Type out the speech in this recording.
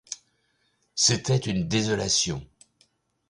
C’était une désolation.